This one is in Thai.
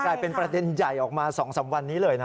กลายเป็นประเด็นใหญ่ออกมา๒๓วันนี้เลยนะ